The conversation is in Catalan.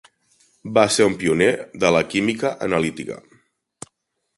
Va ser un pioner de la química analítica.